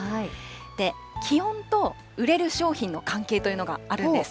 で、気温と売れる商品の関係というのがあるんです。